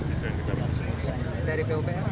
itu yang dikatakan